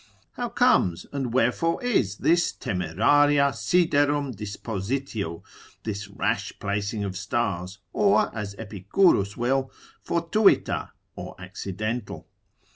How comes, or wherefore is this temeraria siderum dispositio, this rash placing of stars, or as Epicurus will, fortuita, or accidental?